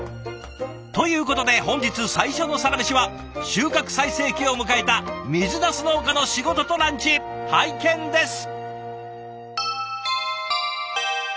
ということで本日最初のサラメシは収穫最盛期を迎えた水なす農家の仕事とランチ拝見です。